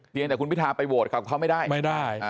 เพียงแต่คุณพิทาไปโหวตเขาไม่ได้